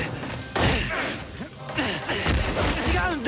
違うんだ！